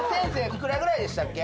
いくらぐらいでしたっけ